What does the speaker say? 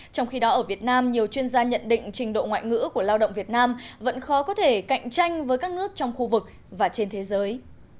trong khi đó ở việt nam nhiều chuyên gia nhận định trình độ ngoại ngữ của lao động việt nam vẫn khó có thể cạnh tranh với các nước trong khu vực và trên thế giới